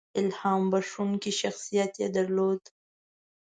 • الهام بښونکی شخصیت یې درلود.